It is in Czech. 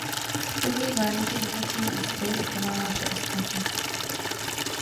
Tlumí záněty dýchacího ústrojí a pomáhá při astmatu.